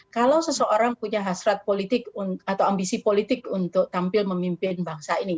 kalau seseorang punya hasrat politik atau ambisi politik untuk tampil memimpin bangsa ini